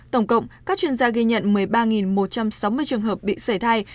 tổng cộng các chuyên gia ghi nhận một mươi ba một trăm sáu mươi trường hợp bị sởi thai